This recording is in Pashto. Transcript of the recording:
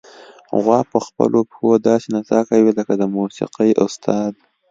غوا په خپلو پښو داسې نڅا کوي لکه د موسیقۍ استاد.